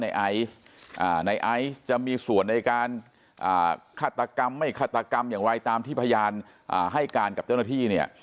ในไอซ์ในไอซ์จะมีส่วนในการฆาตกรรมไม่ฆาตกรรมอย่างไรตามที่พยานให้การกับเจ้าหน้าที่เนี่ย